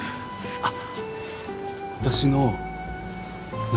あっ！